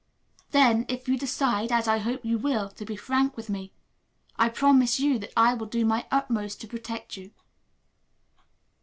Then, if you decide, as I hope you will, to be frank with me, I promise you that I will do my utmost to protect you."